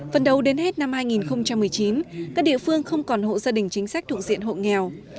phần đầu đến hết năm hai nghìn một mươi chín các địa phương không còn hộ gia đình chính sách thuộc diện hộ nghèo